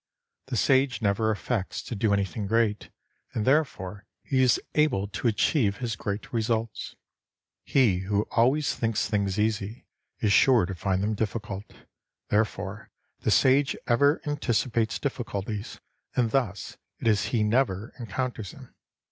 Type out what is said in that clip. The Sage never affects to do anything great, and therefore he is able to achieve his great results. He who always thinKs things easy is sure to find them difficult. Therefore the Sage ever anticipates difficulties, and thus it is he never encounters them.